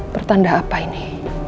bertanda apa ini